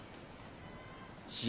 試合